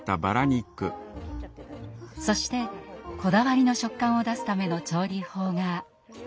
そしてこだわりの食感を出すための調理法が。